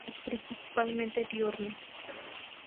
Es principalmente diurno.